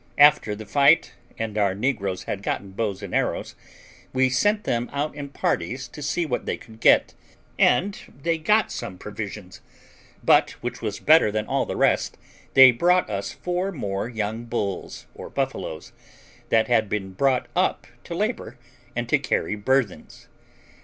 After the fight, and our negroes had gotten bows and arrows, we sent them out in parties to see what they could get, and they got some provisions; but, which was better than all the rest, they brought us four more young bulls, or buffaloes, that had been brought up to labour and to carry burthens.